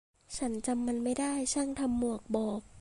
ฉันจำมันไม่ได้ ช่างทำหมวกบอก